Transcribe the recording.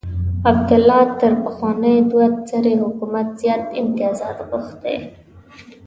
عبدالله تر پخواني دوه سري حکومت زیات امتیازات غوښتي.